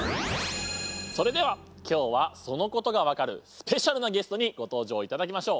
それでは今日はそのことが分かるスペシャルなゲストにご登場いただきましょう。